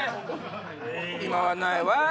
今はないわぁ。